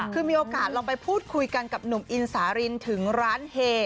คือมีโอกาสลองไปพูดคุยกันกับหนุ่มอินสารินถึงร้านเฮ